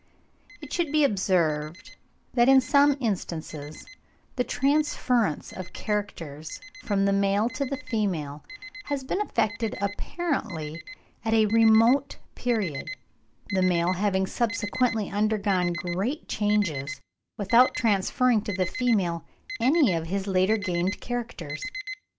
It should be observed that, in some instances, the transference of characters from the male to the female has been effected apparently at a remote period, the male having subsequently undergone great changes, without transferring to the female any of his later gained characters.